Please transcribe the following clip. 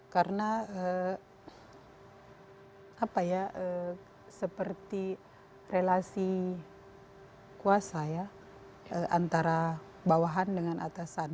karena seperti relasi kuasa antara bawahan dengan atasan